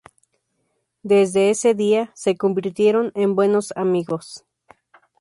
Desde ese día se convirtieron en buenos amigos.